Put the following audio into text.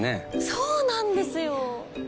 そうなんですよははっ。